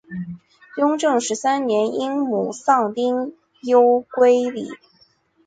雍正十三年因母丧丁忧归里。